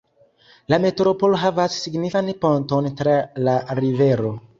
La metropolo havas signifan ponton tra la rivero.